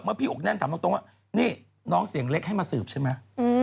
พี่อกแน่นถามตรงว่านี่น้องเสียงเล็กให้มาสืบใช่ไหม